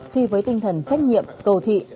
khi với tinh thần trách nhiệm cầu thị